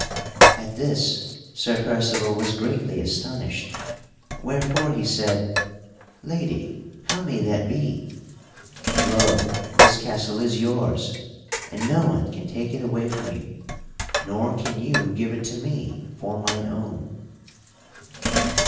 At this Sir Percival was greatly astonished, wherefore he said: "Lady, how may that be? Lo! this castle is yours, and no one can take it away from you, nor can you give it to me for mine own."